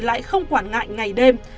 lại không quản ngại ngày đêm